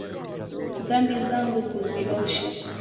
Dhambi zangu kuziosha